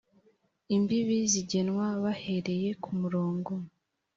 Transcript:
imbibi zigenwa bahereye ku murongo